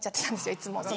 いつも。